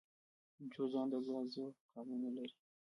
جوزجان د ګازو کانونه لري